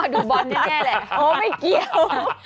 ดูบอลแน่แหละโอ้ไม่เกี่ยว